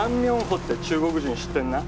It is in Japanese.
豪って中国人知ってんな？